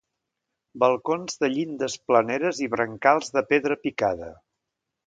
Balcons de llindes planeres i brancals de pedra picada.